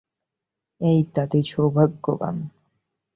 এই দাদি সৌভাগ্যবান।